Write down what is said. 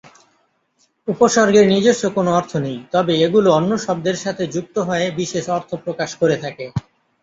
উপসর্গের নিজস্ব কোনো অর্থ নেই, তবে এগুলো অন্য শব্দের সাথে যুক্ত হয়ে বিশেষ অর্থ প্রকাশ করে থাকে।